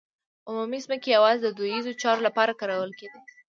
عمومي ځمکې یوازې د دودیزو چارو لپاره کارول کېدې.